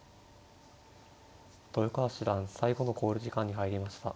豊川七段最後の考慮時間に入りました。